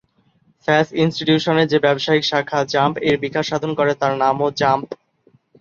স্যাস ইন্সটিটিউটের যে ব্যবসায়িক শাখা জাম্প এর বিকাশ সাধন করে তার নামও জাম্প।